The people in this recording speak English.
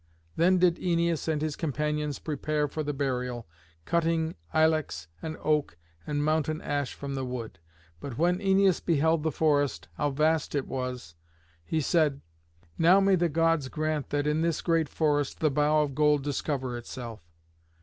Then did Æneas and his companions prepare for the burial, cutting ilex and oak and mountain ash from the wood. But when Æneas beheld the forest, how vast it was, he said, "Now may the Gods grant that in this great forest the bough of gold discover itself."